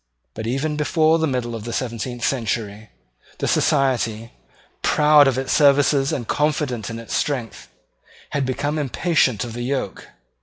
But, even before the middle of the seventeenth century, the Society, proud of its services and confident in its strength, had become impatient of the yoke.